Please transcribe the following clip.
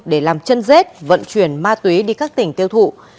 để làm chân rết vận chuyển ma túy đi các tỉnh tiêu thụ